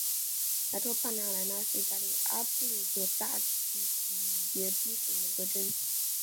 莱托帕莱纳是意大利阿布鲁佐大区基耶蒂省的一个镇。